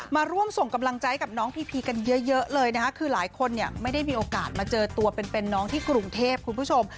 มาร่วมส่งกำลังใจกับน้องพีพีกันเยอะเลยนะคะคือหลายคนเนี่ยไม่ได้มีโอกาสมาเจอตัวเป็นน้องที่กรุงเทพคุณผู้ชม